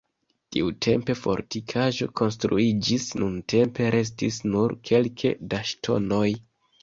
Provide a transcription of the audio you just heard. Tiutempe fortikaĵo konstruiĝis, nuntempe restis nur kelke da ŝtonoj.